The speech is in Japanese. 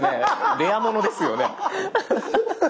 レアものですよね。